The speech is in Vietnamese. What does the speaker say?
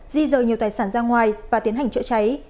di rời nhiều tài sản ra ngoài và tiến hành chữa cháy